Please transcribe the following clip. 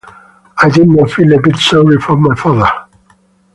I did not feel a bit sorry for my father.